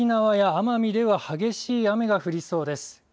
このあとも沖縄や奄美では激しい雨が降りそうです。